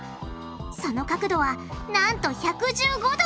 その角度はなんと１１５度！